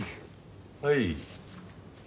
はい。